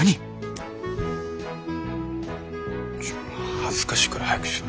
恥ずかしいから早くしろ。